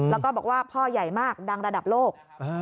แล้วก็บอกว่าพ่อใหญ่มากดังระดับโลก